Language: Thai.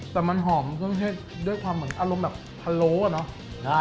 แต่มันหอมเครื่องเทศด้วยความเหมือนอารมณ์แบบพะโล้อ่ะเนอะ